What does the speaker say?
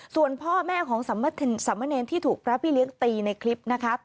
ส่วนพ่อแม่ของสามเณรที่ถูกพระพี่เลี้ยงตีในคลิปนะคะ